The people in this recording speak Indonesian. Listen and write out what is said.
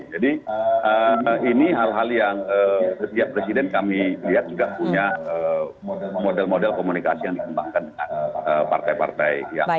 jadi ini hal hal yang setiap presiden kami lihat juga punya model model komunikasi yang dikembangkan dengan partai partai